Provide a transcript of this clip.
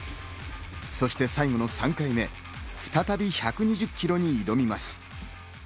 そして最後の３回目、再び１２０ｋｇに挑みます。